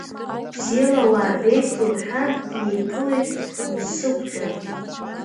Бзиала уаабеит, — лҳәан днеиԥылеит Мсыгәда.